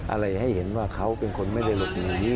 อะไรให้เห็นว่าเขาเป็นคนไม่ได้หลบหนี